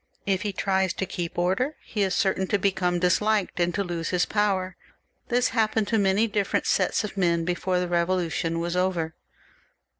If he tries to keep order, he is certain to become disliked and to lose his power. This happened to many different sets of men before the Eevolution was over.